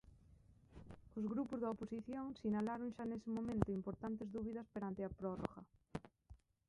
Os grupos da oposición sinalaron xa nese momento importantes dúbidas perante a prórroga.